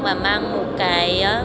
và mang một cái